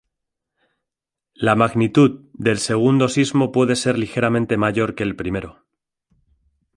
La magnitud del segundo sismo puede ser ligeramente mayor que el primero.